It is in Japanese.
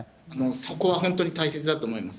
そこは本当に大切だと思います。